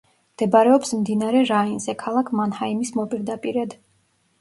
მდებარეობს მდინარე რაინზე, ქალაქ მანჰაიმის მოპირდაპირედ.